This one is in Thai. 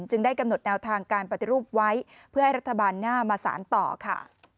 ได้กำหนดแนวทางการปฏิรูปไว้เพื่อให้รัฐบาลหน้ามาสารต่อค่ะ